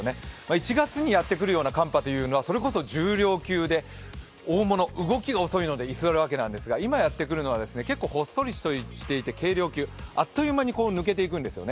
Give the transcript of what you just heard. １月にやってくるような寒波というのは、それこそ重量級で大物、動きが遅いので居座るわけなんですが、今やってくるのは結構、ほっそりしていて軽量級、あっという間に抜けていくんですよね。